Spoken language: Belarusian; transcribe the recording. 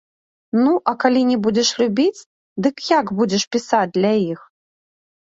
Ну, а калі не будзеш любіць, дык як будзеш пісаць для іх?